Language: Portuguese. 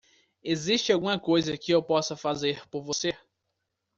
Existe alguma coisa que eu possa fazer por você?